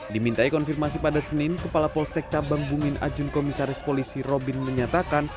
dimintai konfirmasi pada senin kepala polsek cabang bungin ajun komisaris polisi robin menyatakan